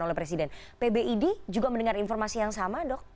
oleh presiden pbid juga mendengar informasi yang sama dok